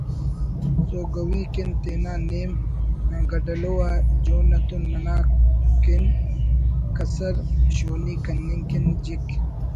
سوگوی کن تینا نیم گڈلو آ جون اتون ننا کن کسر شونی کننگ کن جک